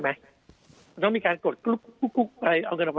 มันต้องมีการกดกลุ๊บไปเอาเงินออกมา